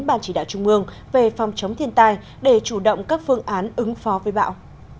ban chỉ đạo trung ương về phòng chống thiên tai để chủ động các phương án ứng phó với bão